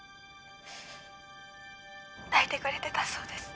泣いてくれてたそうです。